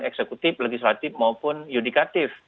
eksekutif legislatif maupun yudikatif